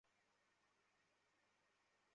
তবে, আমি আমার বন্ধুদের মিস করছি।